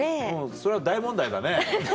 それは大問題だね。